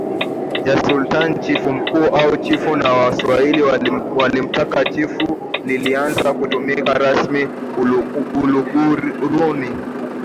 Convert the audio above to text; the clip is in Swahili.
ya SultanChifu Mkuu au Chifu au Waswahili wakitamka Chifu lilianza kutumika rasmi Uluguruni